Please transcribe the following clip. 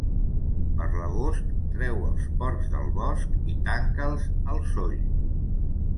Per l'agost treu els porcs del bosc i tanca'ls al soll.